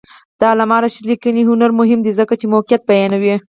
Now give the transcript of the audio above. د علامه رشاد لیکنی هنر مهم دی ځکه چې موقعیت بیانوي.